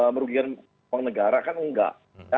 merugikan uang negara kan enggak